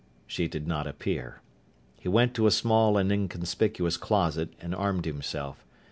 She did not appear. He went to a small and inconspicuous closet and armed himself.